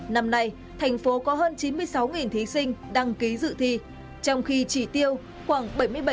năm nay thành phố có hơn chín mươi sáu thí sinh đăng ký dự thi trong khi trị tiêu khoảng bảy mươi bảy ba trăm linh